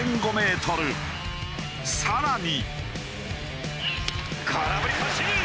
更に。